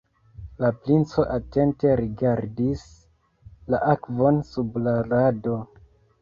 La princo atente rigardis la akvon sub la rado.